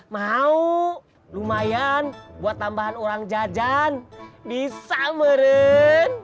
mau lumayan buat tambahan orang jajan bisa meren